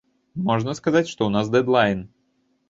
Можна сказаць, што ў нас дэд-лайн.